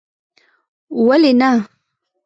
ولي نه